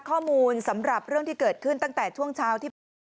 ข้อมูลสำหรับเรื่องที่เกิดขึ้นตั้งแต่ช่วงเช้าที่ผ่านมา